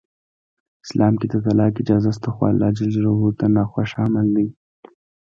اسلام کې د طلاق اجازه شته خو الله ج ته ناخوښ عمل دی.